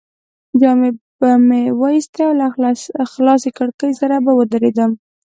جامې به مې وایستې او له خلاصې کړکۍ سره به ودرېدم.